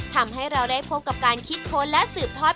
ทำให้เราได้พบกับการคิดค้นและสืบทอด